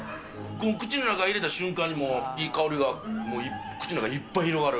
口の中に入れた瞬間に、いい香りが口の中いっぱいに広がる。